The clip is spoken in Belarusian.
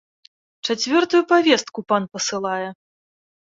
Чацвёртую павестку пан пасылае.